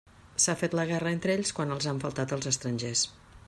S'han fet la guerra entre ells quan els han faltat els estrangers.